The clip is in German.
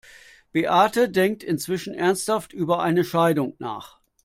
Beate denkt inzwischen ernsthaft über eine Scheidung nach.